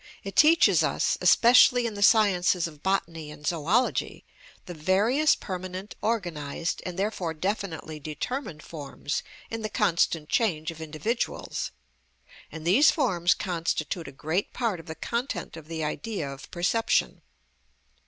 It teaches us, especially in the sciences of botany and zoology, the various permanent, organised, and therefore definitely determined forms in the constant change of individuals; and these forms constitute a great part of the content of the idea of perception.